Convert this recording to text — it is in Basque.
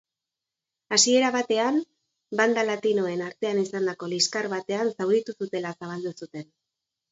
Hasiera batean, banda latinoen artean izandako liskar batean zauritu zutela zabaldu zuten.